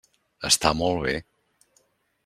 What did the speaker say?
Està molt bé.